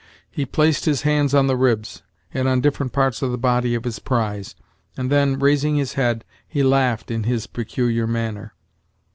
He placed his hands on the ribs, and on different parts of the body of his prize, and then, raising his head, he laughed in his peculiar manner.